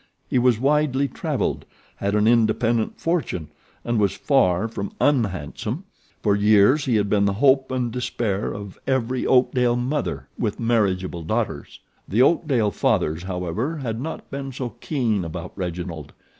He was widely travelled, had an independent fortune, and was far from unhandsome. For years he had been the hope and despair of every Oakdale mother with marriageable daughters. The Oakdale fathers, however, had not been so keen about Reginald.